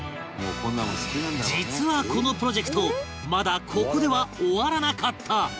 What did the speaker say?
実はこのプロジェクトまだここでは終わらなかった！